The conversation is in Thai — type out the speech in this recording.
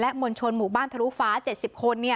มวลชนหมู่บ้านทะลุฟ้า๗๐คน